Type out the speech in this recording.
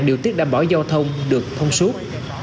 điều tiết đảm bảo giao thông được thông suốt